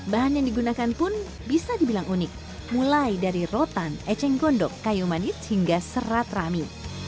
bahan yang digunakan pun bisa dibilang unik mulai dari rotan eceng gondok kayu manis hingga serat rami